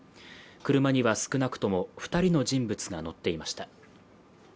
車には少なくとも２人の人物が乗っていました。